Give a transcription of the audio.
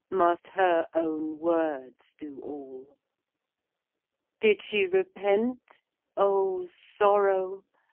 — Must her own words do all? XV. Did she repent? O Sorrow!